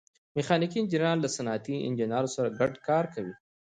میخانیکي انجینران له صنعتي انجینرانو سره ګډ کار کوي.